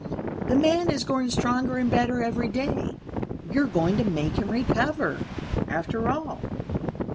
"The man is growing stronger and better every day. You are going to make him recover, after all.